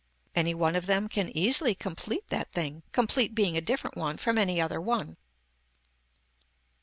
Any one of them can easily complete that thing complete being a different one from any other one.